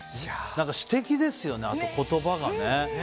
詩的ですよね、言葉がね。